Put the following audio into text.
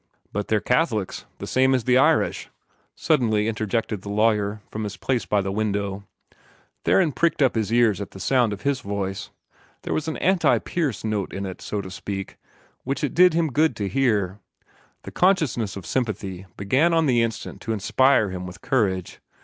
"But they're Catholics, the same as the Irish," suddenly interjected the lawyer, from his place by the window. Theron pricked up his ears at the sound of his voice. There was an anti Pierce note in it, so to speak, which it did him good to hear. The consciousness of sympathy began on the instant to inspire him with courage.